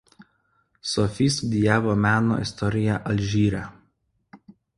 Sophie studijavo meno istoriją Alžyre.